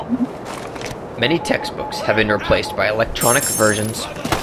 Many textbooks have been replaced by electronic versions.